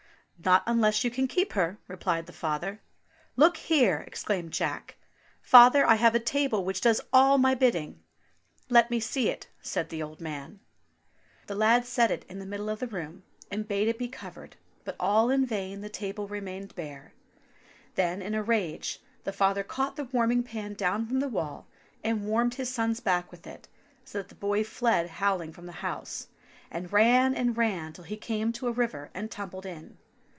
"Not unless you can keep her," replied the father. "Look here!" exclaimed Jack. "Father, I have a table which does all my bidding." "Let me see it," said the old man. THE ASS, THE TABLE, AND THE STICK 349 The lad set it in the middle of the room, and bade it be covered ; but all in vain, the table remained bare. Then in a rage, the father caught the warming pan down from the wall and warmed his son's back with it so that the boy fled howling from the house, and ran and ran till he came to a river and tumbled in.